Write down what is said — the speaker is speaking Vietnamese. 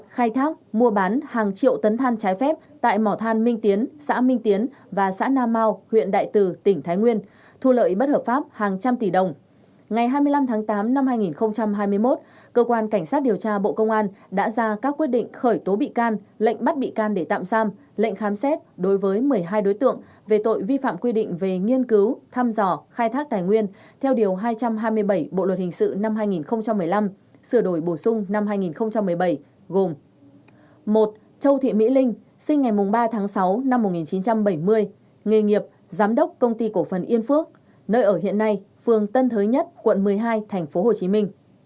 hai bùi hữu giang sinh ngày hai mươi một tháng chín năm một nghìn chín trăm tám mươi chín nghề nghiệp lao động tự do nơi ở hiện nay phường mạo khê thị xã đông triều tỉnh quảng ninh và phường cầu diễn quận nam tử liêm thành phố hà nội